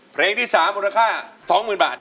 เพลงที่๓มูลค่า๒๐๐๐บาท